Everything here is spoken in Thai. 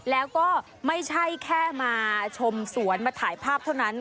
แล้วก็ไม่ใช่แค่มาชมสวนมาถ่ายภาพเท่านั้น